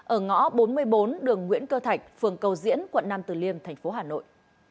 ở ngõ bốn mươi bốn đường nguyễn cơ thạch phường cầu diễn quận năm từ liêm thành phố hà nội